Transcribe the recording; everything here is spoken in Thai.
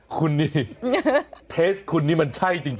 คุณนี่เพจคุณนี่มันใช่จริง